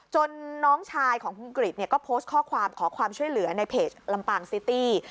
น้องชายของคุณกริจก็โพสต์ข้อความขอความช่วยเหลือในเพจลำปางซิตี้